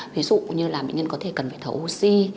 ví dụ như là bệnh nhân có thể cần phải thở oxy